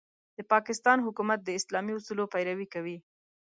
د پاکستان حکومت د اسلامي اصولو پيروي کوي.